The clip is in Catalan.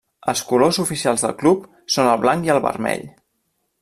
Els colors oficials del club són el blanc i el vermell.